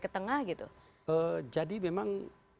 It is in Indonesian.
ke tengah gitu jadi memang